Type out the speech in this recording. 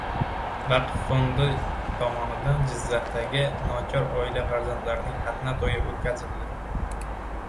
Vaqf fondi tomonidan Jizzaxdagi nochor oila farzandlarining xatna to‘yi o‘tkazildi